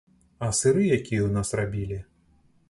А сыры якія ў нас рабілі!